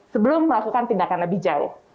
sebelum melakukan tindakan lebih jauh